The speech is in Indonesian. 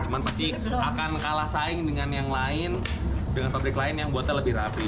cuma pasti akan kalah saing dengan yang lain dengan pabrik lain yang buatnya lebih rapi